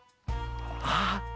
あっ。